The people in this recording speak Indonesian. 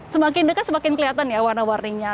semakin dekat semakin kelihatan ya warna warninya